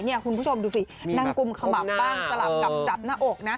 คุณผู้ชมดูสินั่งกุมขม่ำบ้างสลับกับจับหน้าอกนะ